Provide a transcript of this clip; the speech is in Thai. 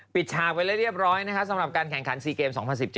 ปิดฉากไปแล้วเรียบร้อยสำหรับการแข่งขันซีเกม๒๐๑๗